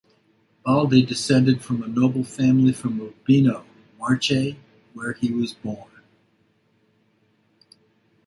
Baldi descended from a noble family from Urbino, Marche, where he was born.